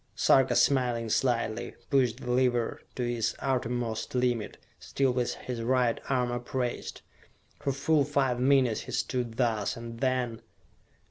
Sarka, smiling slightly, pushed the lever to its uttermost limit, still with his right arm upraised. For full five minutes he stood thus, and then....